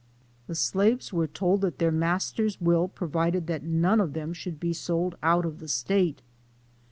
The slaves were told that their master's will pro vided that none of them should be sold out of the State.